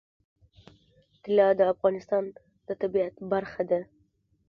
طلا د افغانستان د طبیعت برخه ده.